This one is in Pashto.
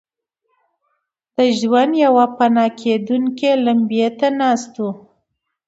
د ژوند پوپناه کېدو لمبې ته ناست دي.